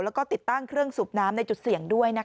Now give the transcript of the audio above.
แล้วก็ติดตั้งเครื่องสูบน้ำในจุดเสี่ยงด้วย